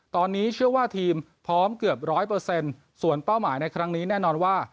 ตอนนี้เชื่อว่าทีมพร้อมเกือบ๑๐๐ส่วนเป้าหมายในครั้งนี้แน่นอนว่า